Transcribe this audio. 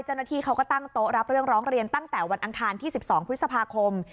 เจ้าหน้าที่เขาก็ตั้งโต๊ะรับเรื่องร้องเรียนตั้งแต่วันอังคารที่๑๒พฤษภาคม